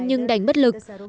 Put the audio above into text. nhưng đánh bất kỳ tiền